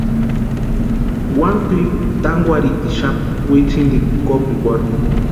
Wani kwʼiripu tánkwarhitixapti witsintikwa kopikwarhu.